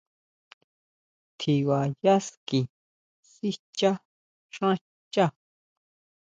Tjiba yá ski sischa xán xchá.